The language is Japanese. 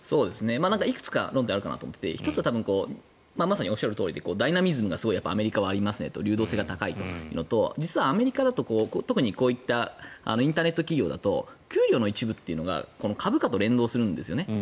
いくつか論点があるかなと思っていて１つはまさにおっしゃるとおりでダイナミズムがすごいアメリカはありますよねと流動性は高いよねというのと実はアメリカだと特にこういったインターネット企業だと給料の一部が株価と連動するんです。